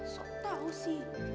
so tau sih